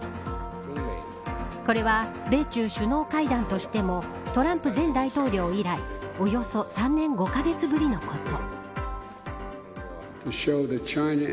これは米中首脳会談としてもトランプ前大統領以来およそ３年５カ月ぶりのこと。